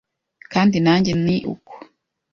kandi nanjye ni uko